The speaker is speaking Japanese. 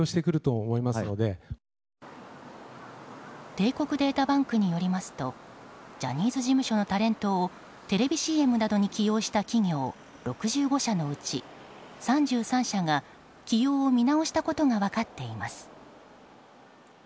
帝国データバンクによりますとジャニーズ事務所のタレントをテレビＣＭなどに起用した企業６５社のうち３３社が起用を見直したことが分かっています。